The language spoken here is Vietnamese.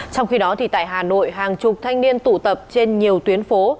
trong khi đó tại hà nội hàng chục thanh niên tụ tập trên nhiều tuyến phố